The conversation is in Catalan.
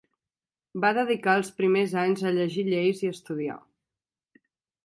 Va dedicar els primers anys a llegir lleis i estudiar.